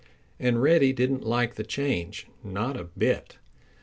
And Reddy didn't like the change,—not a bit.